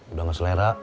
udah gak selera